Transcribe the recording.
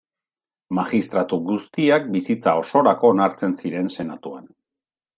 Magistratu guztiak bizitza osorako onartzen ziren Senatuan.